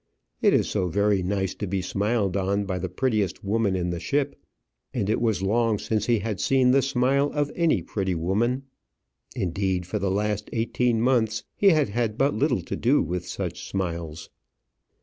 It is so very nice to be smiled on by the prettiest woman in the room; and it was long since he had seen the smile of any pretty woman! Indeed, for the last eighteen months he had had but little to do with such smiles.